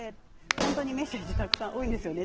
本当にメッセージ多いんですよね。